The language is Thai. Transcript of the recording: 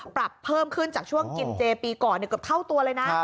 ปรับเพิ่มขึ้นจากช่วงกินเจปีก่อนเกือบเท่าตัวเลยนะ